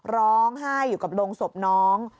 ร้องไห้อยู่กับโรงศพน้อง